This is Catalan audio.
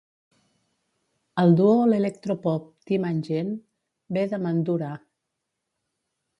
El duo l'electropop Tim and Jean ve de Mandurah.